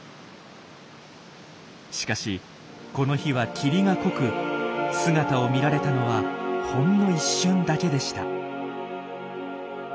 しかしこの日は霧が濃く姿を見られたのはほんの一瞬だけでした。